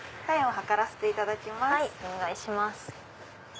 はい？